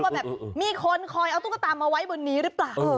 ว่าแบบมีคนคอยเอาตุ๊กตามาไว้บนนี้หรือเปล่า